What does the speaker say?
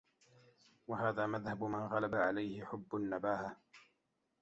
وَهَذَا مَذْهَبُ مَنْ غَلَبَ عَلَيْهِ حُبُّ النَّبَاهَةِ